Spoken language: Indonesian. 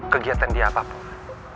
kegiatan dia apapun